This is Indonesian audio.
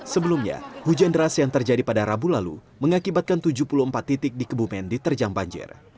sebelumnya hujan deras yang terjadi pada rabu lalu mengakibatkan tujuh puluh empat titik di kebumen diterjang banjir